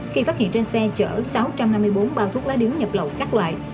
khi phát hiện trên xe chở sáu trăm hai mươi bốn bao thuốc lá điếu nhập lậu các loại